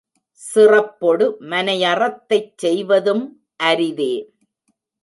சிறப்பொடு, மனைய றத்தைச் செய்வதும் அரிதே!